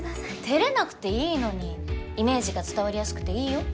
照れなくていいのにイメージが伝わりやすくていいよ